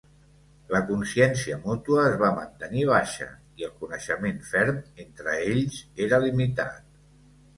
La consciència mútua es va mantenir baixa i el coneixement ferm entre ells era limitat.